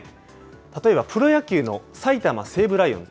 例えばプロ野球の埼玉西武ライオンズ。